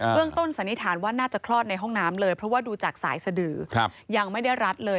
ต้นสันนิษฐานว่าน่าจะคลอดในห้องน้ำเลยเพราะว่าดูจากสายสดือยังไม่ได้รัดเลย